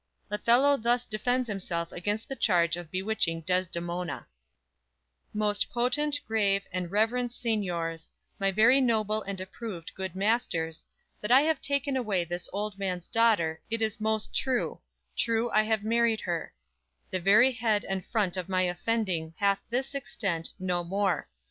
_ Othello thus defends himself against the charge of bewitching Desdemona: _"Most potent, grave and reverend signiors, My very noble and approved good masters, That I have taken away this old man's daughter, It is most true; true, I have married her; The very head and front of my offending Hath this extent, no more.